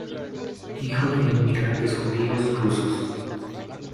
Hijo de inmigrantes judíos rusos.